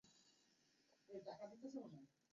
তোমাকে তো তেমন বিশেষ ভালো দেখাইতেছে না।